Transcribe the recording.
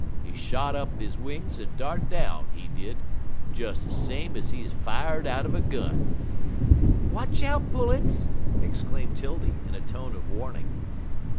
He shot up he wings en dart down, he did, des same ef he 'uz fired out'n a gun." "Watch out, pullets!" exclaimed 'Tildy, in a tone of warning.